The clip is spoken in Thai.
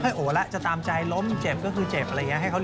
เยี่ยมใจไม่ใช่โหลละ